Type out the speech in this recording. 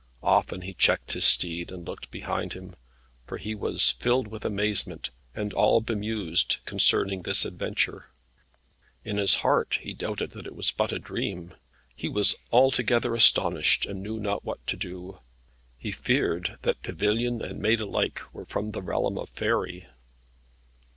Often he checked his steed, and looked behind him, for he was filled with amazement, and all bemused concerning this adventure. In his heart he doubted that it was but a dream. He was altogether astonished, and knew not what to do. He feared that pavilion and Maiden alike were from the realm of faery.